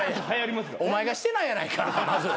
お前がしてないやないかまず。